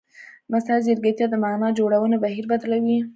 مصنوعي ځیرکتیا د معنا جوړونې بهیر بدلوي.